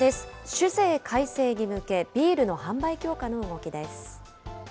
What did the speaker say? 酒税改正に向け、ビールの販売強化の動きです。